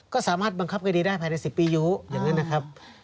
ก็สามารถบังคับคดีได้ภายใน๑๐ปีอยู่อย่างนั้นนะครับ